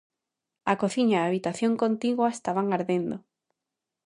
A cociña e a habitación contigua estaban ardendo.